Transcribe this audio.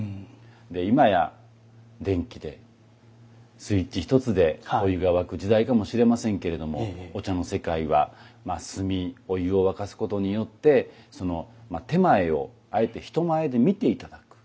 今や電気でスイッチ１つでお湯が沸く時代かもしれませんけれどもお茶の世界はまあ炭お湯を沸かすことによって点前をあえて人前で見て頂く。